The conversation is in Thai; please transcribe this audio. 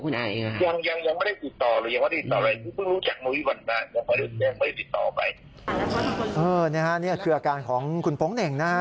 นี่ค่ะนี่คืออาการของคุณโป๊งเหน่งนะฮะ